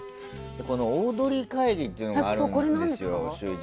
オードリー会議っていうのがあるんです。